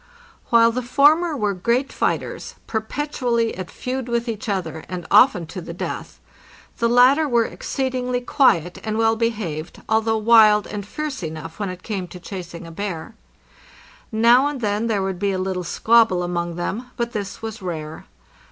While the former were great fighters, per petually at feud with each other, and often to the death, the lat ter were exceedingly quiet and well behaved, although wild and fierce enough when it came to chasing a bear. Now and then there would be a little squabble among them, but this was rare.